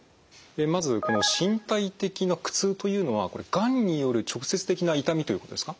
まずこの身体的な苦痛というのはこれがんによる直接的な痛みということですか？